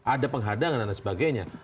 ada penghadangan dan lain sebagainya